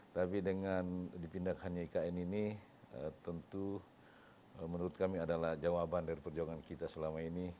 tapi dengan dipindahkannya ikn ini tentu menurut kami adalah jawaban dari perjuangan kita selama ini